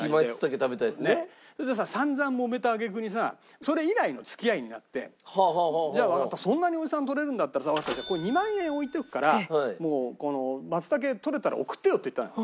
それでさ散々もめた揚げ句にさそれ以来の付き合いになって「じゃあわかったそんなにおじさん採れるんだったらさ２万円置いていくからマツタケ採れたら送ってよ」って言ったの。